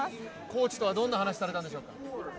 コーチとはどんな話されたんでしょうか？